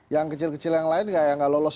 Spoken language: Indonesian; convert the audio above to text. yang kecil kecil yang lain yang nggak lolos